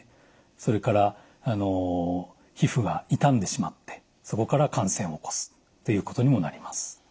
それから皮膚が傷んでしまってそこから感染を起こすっていうことにもなります。